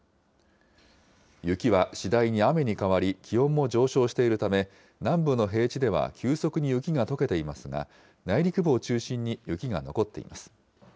雪は次第に雨に変わり、気温も上昇しているため、南部の平地では急速に雪がとけていますが、内陸部を中心に雪が残っています。